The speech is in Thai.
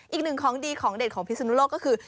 อีกหนึ่งของดีของเด็ดของพิศนุโลกก็คือ